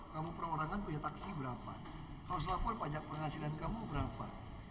kamu perorangan punya taksi berapa harus lapor pajak penghasilan kamu berapa